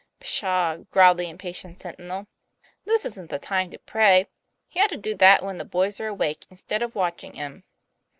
"Pshaw," growled the impatient sentinel; 'this isn't the time to pray. He ought to do that when the boys are awake instead of watching 'em."